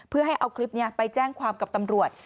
เพื่อให้เอาคลิปนี้ไปแจ้งความกับตำรวจ